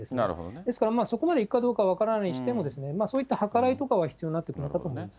ですからそこまでいくかどうか分からないにしても、そういった計らいとかは必要になってくるかと思います。